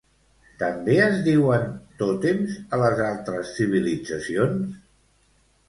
També es diuen tòtems a les altres civilitzacions?